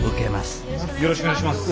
よろしくお願いします。